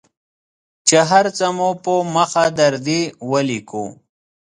چې هر څه مو په مخه درځي ولیکو.